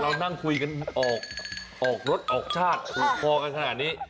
เรานั่งคุยกันออกรถออกชาติผูกคอกันขนาดนี้